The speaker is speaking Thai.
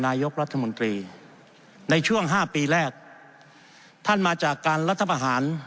นายกรัฐมนตรีในช่วงห้าปีแรกท่านมาจากการรัฐประหาร